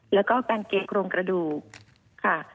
แล้วก็การเกะโครงกระดูกค่ะ